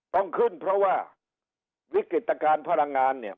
ต้องขึ้นเพราะว่าวิกฤตการณ์พลังงานเนี่ย